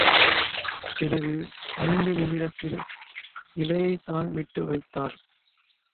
பிறகு, ஐந்து நிமிடத்தில், இலையைத்தான் விட்டு வைத்தார்.